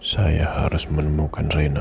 saya harus menemukan reyna